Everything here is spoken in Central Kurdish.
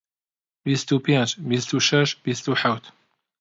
بیست و پێنج، بیست و شەش، بیست و حەوت